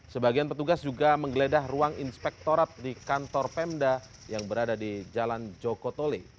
sebagian petugas juga menggeledah ruang inspektorat di kantor pemda yang berada di jalan jokotole